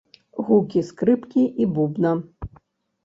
Гукі скрыпкі і бубна.